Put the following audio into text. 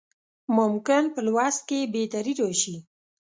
ممکن په لوست کې یې بهتري راشي.